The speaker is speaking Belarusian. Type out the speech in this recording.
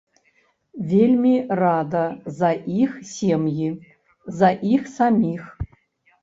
Вельмі рада за іх сем'і, за іх саміх.